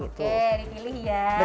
oke dipilih ya